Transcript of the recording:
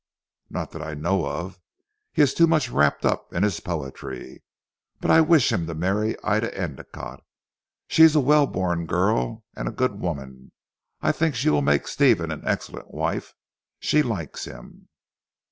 "Not that I know of. He is too much wrapped up in his poetry. But I wish him to marry Ida Endicotte. She is a well born girl and a good woman. I think she will make Stephen an excellent wife. She likes him."